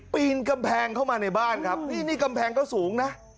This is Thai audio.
ปีนกำแพงเข้ามาในบ้านครับนี่นี่กำแพงก็สูงนะ